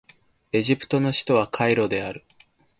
エジプトの首都はカイロである